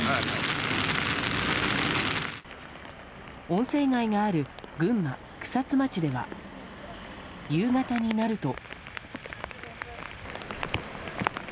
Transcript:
温泉街がある群馬・草津町では夕方になると。